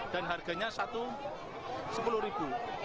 dan harganya rp sepuluh